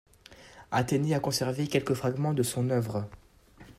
Athénée a conservé quelques fragments de son œuvre.